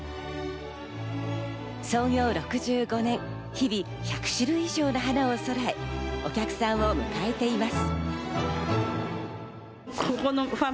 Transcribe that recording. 創業６５年、日々１００種類以上の花をそろえ、お客さんを迎えています。